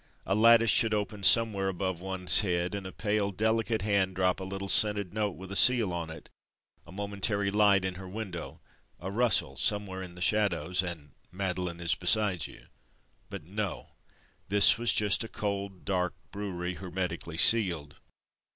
A lattice should open somewhere above one's head, and a pale delicate hand drop a little scented note with a seal on it; a momentary light in her window, a rustle somewhere in the shadows, and Madeline is beside you. But no! This was just a cold, dark brewery, hermetically sealed.